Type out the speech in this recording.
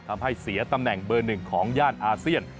ทำให้เสียตำแหน่งเบอร์หนึ่งของย่านอาเซียน